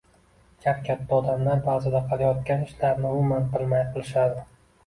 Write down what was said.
– kap-katta odamlar ba’zida qilayotgan ishlarini umuman bilmay qilishadi.